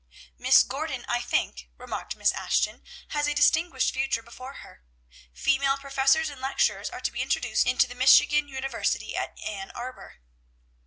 "Miss Gordon, I think," remarked Miss Ashton, "has a distinguished future before her. "'Female professors and lecturers are to be introduced into the Michigan University at Ann Arbor.'